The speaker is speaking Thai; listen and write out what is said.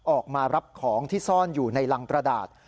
ออกมารับของที่ซ่อนอยู่ในรังกระดาษ